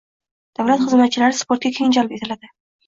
Davlat xizmatchilari sportga keng jalb etiladi